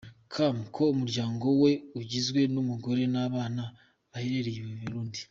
com ko umuryango we ugizwe n’umugore n’abana baherereye i Burundi.